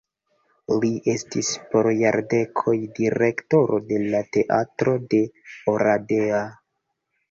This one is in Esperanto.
Li estis por jardekoj direktoro de la teatro de Oradea.